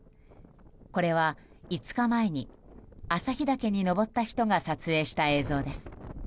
これは５日前に、朝日岳に登った人が撮影した映像です。